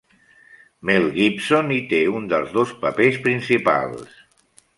Mel Gibson hi té un dels dos papers principals.